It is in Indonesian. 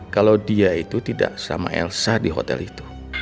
kalau dia itu tidak sama elsa di hotel itu